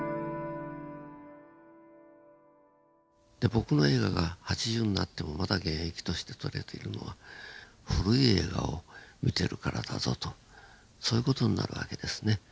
僕の映画が８０になってもまだ現役として撮れているのは古い映画を見てるからだぞとそういう事になるわけですね。